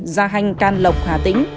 gia hanh can lộc hà tĩnh